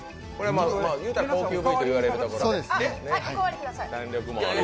言うたら高級部位といわれるところで弾力もあり。